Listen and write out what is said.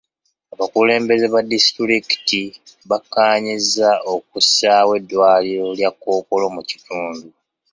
Abakulembeze ba disitulikiti bakkaanyizza okusaawo eddwaliro lya Kkookolo mu kitundu.